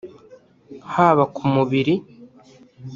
haba ku mubiri